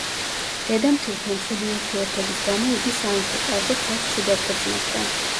დედამთილთან ცუდი ურთიერთობის გამო იგი სამეფო კარზე თავს ცუდად გრძნობდა.